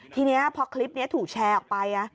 ทีนี้พอคลิปนี้ถูกแชร์ออกไป